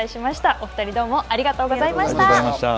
お二人、どうもありがとうございありがとうございました。